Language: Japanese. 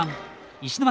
石巻！